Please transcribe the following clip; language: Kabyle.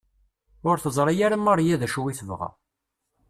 Ur teẓri ara Maria d acu i tebɣa.